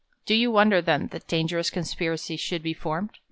Do you wonder, then, that danger ous conspiracies should be formed